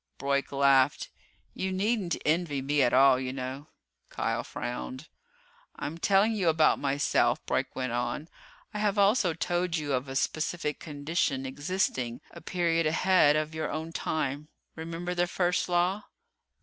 Broyk laughed. "You needn't envy me at all, you know." Kial frowned. "I'm telling you about myself," Broyk went on, "I have also told you of a specific condition existing a period ahead of your own time. Remember the First Law?"